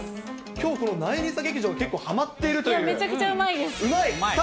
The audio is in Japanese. きょうこのなえりさ劇場、結構はまっているという。